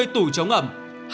sáu mươi tủ chống ẩm